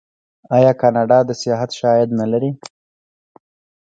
آیا کاناډا د سیاحت ښه عاید نلري؟